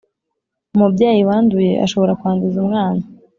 umubyeyi wanduye ashobora kwanduza umwana